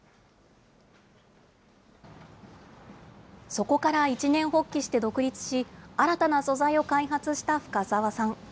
そこから一念発起して独立し、新たな素材を開発した深澤さん。